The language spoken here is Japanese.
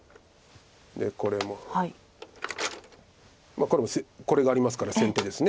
まあこれこれがありますから先手です。